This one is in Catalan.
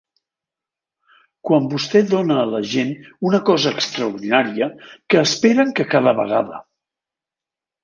Quan vostè dóna a la gent una cosa extraordinària, que esperen que cada vegada.